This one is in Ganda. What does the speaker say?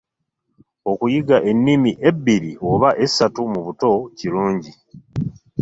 Okuyiga ennimi ebbiri oba essatu mu buto kirungi.